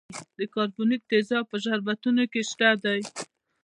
د کاربونیک تیزاب په شربتونو کې شته دی.